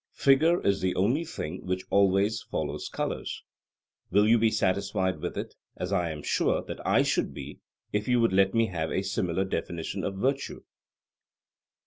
Figure is the only thing which always follows colour. Will you be satisfied with it, as I am sure that I should be, if you would let me have a similar definition of virtue?